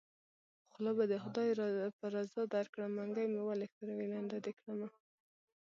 خوله به د خدای په رضا درکړم منګۍ مې ولی ښوروی لنده دې کړمه